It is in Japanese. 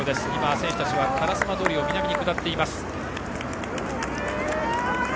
選手たちは烏丸通を南に下っています。